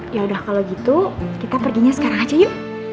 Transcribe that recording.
yaudah kalau gitu kita perginya sekarang aja ayo